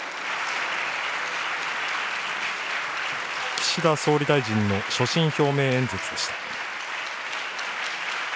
岸田総理大臣の所信表明演説でした。